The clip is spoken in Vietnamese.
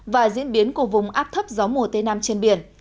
và diễn biến của vùng áp thấp gió mùa tây nam trên biển